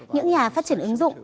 những nhà phát triển ứng dụng